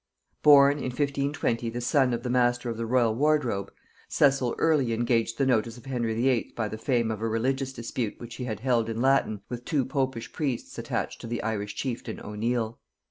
Born, in 1520, the son of the master of the royal wardrobe, Cecil early engaged the notice of Henry VIII. by the fame of a religious dispute which he had held in Latin with two popish priests attached to the Irish chieftain O'Neal.